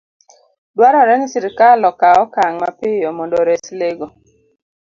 Dwarore ni sirkal okaw okang' mapiyo mondo ores le go